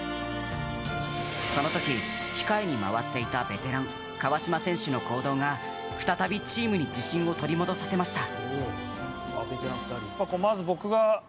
その時、控えに回っていたベテラン、川島選手の行動が再びチームに自信を取り戻させました。